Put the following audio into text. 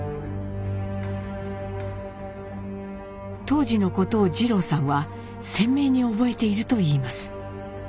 当時のことを二朗さんは鮮明に覚えているといいます。